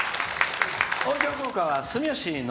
音響効果は、住吉昇。